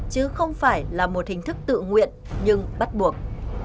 chứ không phải là một hình thức tự nguyện nhưng bắt buộc